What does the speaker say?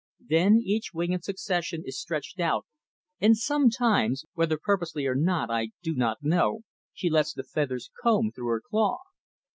Then each wing in succession is stretched out, and sometimes, whether purposely or not I do not know, she lets the feathers comb through her claw.